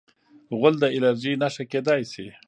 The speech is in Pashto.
غول د الرجۍ نښه کېدای شي.